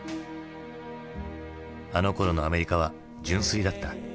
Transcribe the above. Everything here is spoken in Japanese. あのころのアメリカは純粋だった。